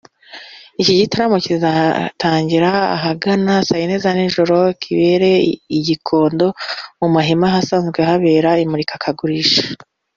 Iki gitaramo kizatangira ahagana saa yine z’ijoro kibere I Gikondo mu mahema y’ahasanzwe habera imurika gurisha